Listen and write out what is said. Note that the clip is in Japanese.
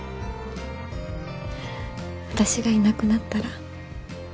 私がいなくなったら。